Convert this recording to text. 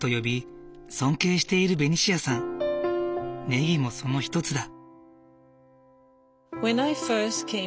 ネギもその一つだ。